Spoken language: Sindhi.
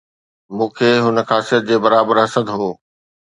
مون کي هن خاصيت جي برابر حسد هو